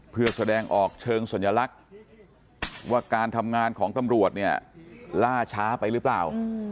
เพื่อแสดงออกเชิงสัญลักษณ์ว่าการทำงานของตำรวจเนี่ยล่าช้าไปหรือเปล่า